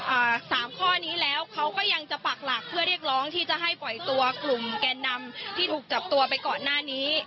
อ่าสามข้อนี้แล้วเขาก็ยังจะปากหลักเพื่อเรียกร้องที่จะให้ปล่อยตัวกลุ่มแกนนำที่ถูกจับตัวไปก่อนหน้านี้